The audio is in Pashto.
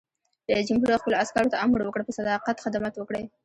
رئیس جمهور خپلو عسکرو ته امر وکړ؛ په صداقت خدمت وکړئ!